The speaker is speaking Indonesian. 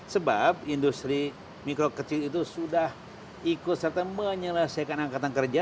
sebab industri mikro kecil itu sudah ikut serta menyelesaikan angkatan kerja